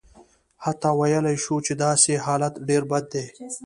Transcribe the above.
حتی ویلای شو چې داسې حالت ډېر بد دی.